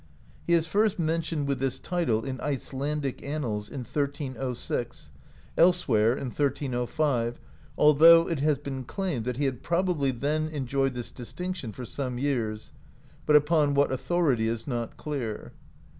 He is first mentioned with this title, in Icelandic annals, in 1306, elsewhere in 1305, although it has been claimed that he had probably then enjoyed this distinction for some years, but upon what authority is not clear.